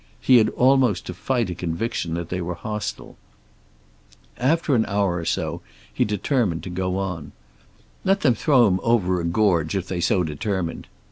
He had almost to fight a conviction that they were hostile. After an hour or so he determined to go on. Let them throw him over a gorge if they so determined.